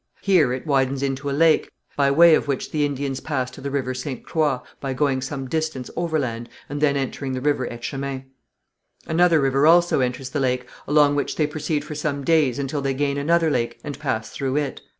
Here it widens into a lake, by way of which the Indians pass to the river Ste. Croix, by going some distance overland and then entering the river Etchemin. Another river also enters the lake, along which they proceed for some days until they gain another lake and pass through it.